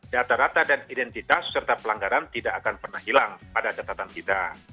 data data dan identitas serta pelanggaran tidak akan pernah hilang pada catatan kita